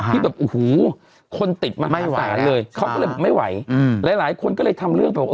ที่แบบอูหูคนติดมาหาสารเลยไม่ไหวแล้วเขาก็เลยไม่ไหวหลายคนก็เลยทำเรื่องแบบว่า